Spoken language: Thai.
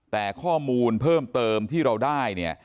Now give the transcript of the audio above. แต่ข้อมูลเพิ่มเติมที่เราได้เนี่ย